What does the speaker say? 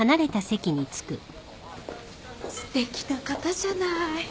すてきな方じゃない。